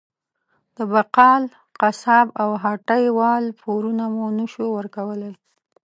د بقال، قصاب او هټۍ وال پورونه مو نه شو ورکولی.